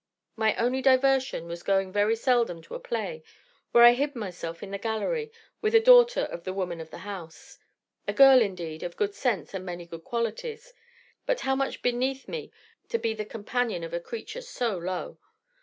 My only diversion was going very seldom to a play, where I hid myself in the gallery, with a daughter of the woman of the house. A girl, indeed, of good sense and many good qualities; but how much beneath me was it to be the companion of a creature so low!